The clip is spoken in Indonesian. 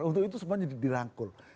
untuk itu semuanya dirangkul